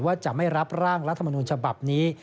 ว่าจะไม่รับร่างรัฐมนุนฉบับนี้